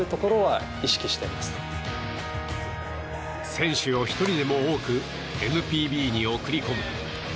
選手を１人でも多くＮＰＢに送り込む。